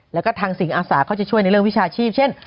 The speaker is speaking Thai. แล้วก็ทางสิ่งอาสาเขาจะช่วยในเรื่องวิชาชีพเช่น